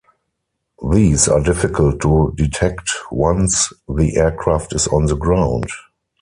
These are difficult to detect once the aircraft is on the ground.